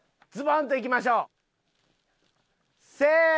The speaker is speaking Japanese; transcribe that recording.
ズボン！といきましょう。